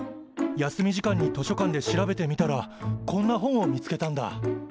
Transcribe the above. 休み時間に図書館で調べてみたらこんな本を見つけたんだ。